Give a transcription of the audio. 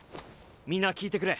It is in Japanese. みんな聞いてくれ。